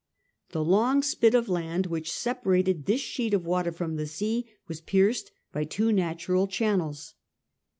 The long spit of land which separated this sheet of water from the sea was pierced by two natural channels.